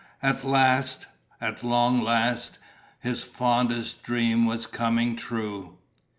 At last, at long last, his fondest dream was coming true.